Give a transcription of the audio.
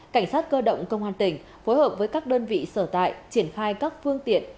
cảnh sát cơ động công an tỉnh phối hợp với các đơn vị sở tại triển khai các phương tiện